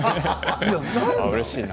うれしいな。